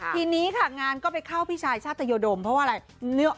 ทีนี้ค่ะงานก็ไปเข้าพี่ชายชาตยดมเพราะว่าอะไร